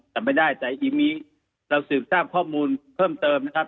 แต่ไม่ได้แต่ทีนี้เราสืบทราบข้อมูลเพิ่มเติมนะครับ